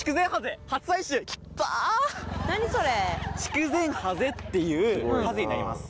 キタ！っていうハゼになります。